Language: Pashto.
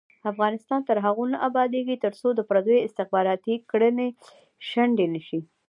افغانستان تر هغو نه ابادیږي، ترڅو د پردیو استخباراتي کړۍ شنډې نشي.